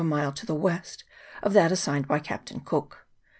a mile to the West of that assigned by Captain Cook.